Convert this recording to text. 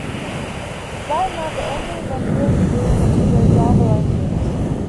Right now, the only rendering is to the Java language.